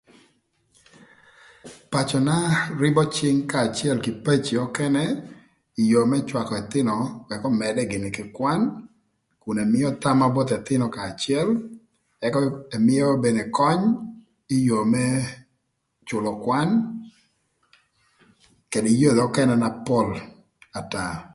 Pacöna rïbö cïng kanya acël kï peci nökënë ï yoo më cwakö ëthïnö ëk ömëdë gïnï kï kwan kun ëmïö thama both ëthïnö kanya acël ëka ëmïö bede köny ï yoo më cülö kwan kede yodhi ökënë na pol ataa.